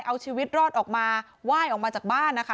เอาชีวิตรอดออกมาไหว้ออกมาจากบ้านนะคะ